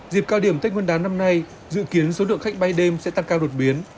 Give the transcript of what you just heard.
dịp cao điểm tết nguyên đán năm nay dự kiến số lượng khách bay đêm sẽ tăng cao đột biến